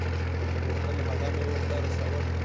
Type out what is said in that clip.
چې غوښتل هغه مې ورته رسول.